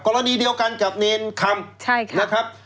กรณีเดียวกันกับเนรคำนะครับ